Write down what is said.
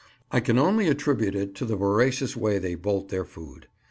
I can only attribute it to the voracious way they bolt their food.